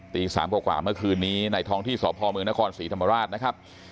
ตี๓กว่าเมื่อคืนนี้ในท้องที่สพเมืองนครศรีธรรมราชนะครับ